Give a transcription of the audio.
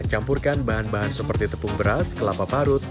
campurkan bahan bahan seperti tepung beras kelapa parut